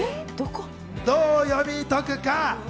どう読み解くか。